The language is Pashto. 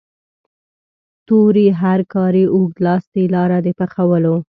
تورې هرکارې اوږد لاستی لاره د پخولو.